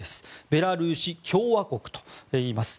ベラルーシ共和国といいます。